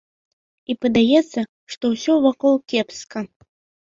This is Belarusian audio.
І падаецца, што ўсё вакол кепска.